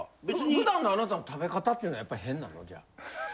普段のあなたの食べ方っていうのはやっぱり変なの？